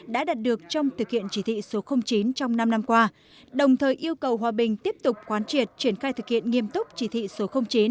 đã đạt được trong thực hiện chỉ thị số chín trong năm năm qua đồng thời yêu cầu hòa bình tiếp tục quán triệt triển khai thực hiện nghiêm túc chỉ thị số chín